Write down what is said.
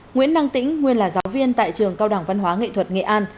nguyễn năng tĩnh nguyên là giáo viên tại trường cao đẳng văn hóa nghệ thuật nghệ an